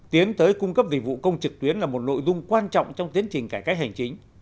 tiến tới cung cấp dịch vụ công trực tuyến là một nội dung quan trọng trong tiến trình cải cách hành chính